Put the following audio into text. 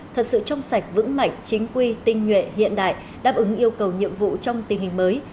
thật sự trong sạch vững mạnh chính quy tinh nhuệ hiện đại đáp ứng yêu cầu nhiệm vụ trong tình hình mới